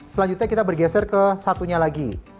selanjutnya kita bergeser ke satunya lagi